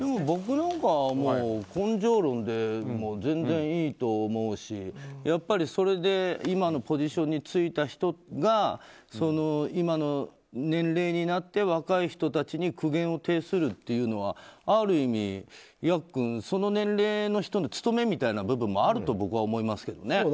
僕なんかはもう根性論でも全然いいと思うしやっぱりそれで今のポジションに就いた人が今の年齢になって若い人たちに苦言を呈するというのはある意味、ヤックンその年齢の人の務めみたいな部分もあると僕は思いますけどね。